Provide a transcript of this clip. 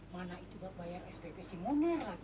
mana itu buat bayar spp si munir lagi